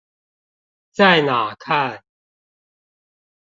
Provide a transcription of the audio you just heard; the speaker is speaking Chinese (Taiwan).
在哪看？